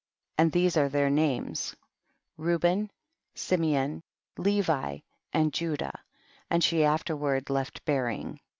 And these are their names, Reuben, Simeon, Levi, and Judah, and she afterward left bearing.